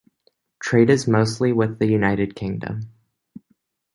Trade is mostly with the United Kingdom.